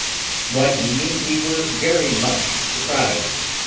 One evening we were very much surprised.